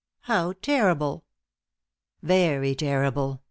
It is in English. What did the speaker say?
How terrible!" "Very terrible!"